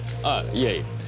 ああいえ。